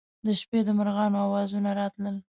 د شپې د مرغانو اوازونه راتلل.